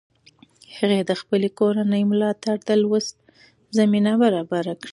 هغې د خپلې کورنۍ ملاتړ د لوست زمینه برابره کړه.